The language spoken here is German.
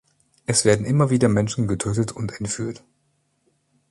Es werden immer wieder Menschen getötet und entführt.